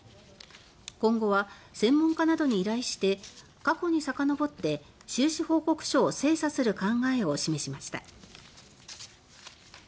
今後は専門家などに依頼して過去にさかのぼって収支報告書を精査する考えを示しました。